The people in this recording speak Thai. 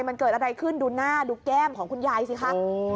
มันเกิดอะไรขึ้นดูหน้าดูแก้มของคุณยายสิคะ